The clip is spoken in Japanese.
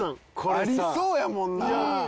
ありそうやもんな！